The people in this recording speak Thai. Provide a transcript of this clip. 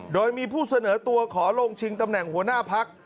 โดยมีผู้เสนอตัวขอลงชิงตำแหน่งหัวหน้าพัก